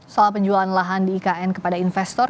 soal penjualan lahan di ikn kepada investor